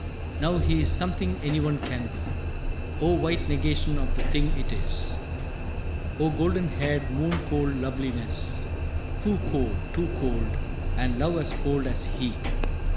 Now he is something anyone can be. O white negation of the thing it is! O golden haired moon cold loveliness! Too cold! too cold! and love as cold as he.